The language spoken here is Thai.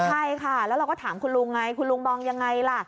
ใช่ค่ะแล้วเราก็ถามคุณลุงไงคุณลุงมองยังไงล่ะ